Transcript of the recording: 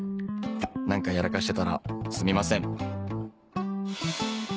「なんかやらかしてたらすみません！」。